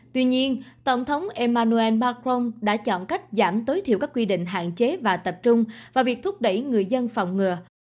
tuy nhiên tổng thống emmanuel macron đã chọn cách giảm tối thiểu các quy định hạn chế và tập trung vào việc thúc đẩy người dân phòng ngừa